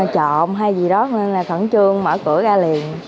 trộm hay gì đó nên là khẩn trương mở cửa ra liền